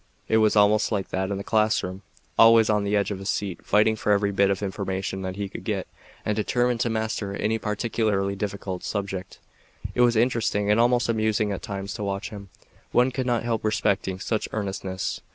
It was almost like that in the classroom, always on the edge of his seat fighting for every bit of information that he could get and determined to master any particularly difficult subject. It was interesting and almost amusing at times to watch him. One could not help respecting such earnestness.